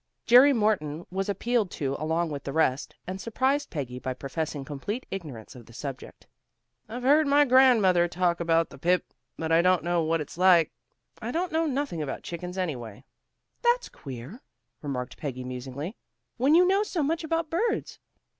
Jerry Morton was appealed to along with the rest, and surprised Peggy by professing complete ignorance of the subject. "I've heard my grandmother talk about the pip, but I don't know what it's like. I don't know nothing about chickens anyway." "That's queer," remarked Peggy musingly, "when you know so much about birds."